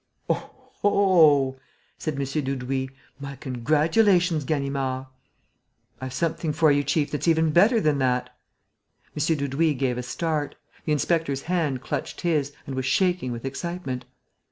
"Oho!" said M. Dudouis. "My congratulations, Ganimard!" "I've something for you, chief, that's even better than that!" M. Dudouis gave a start. The inspector's hand clutched his and was shaking with excitement.